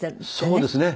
そうですね。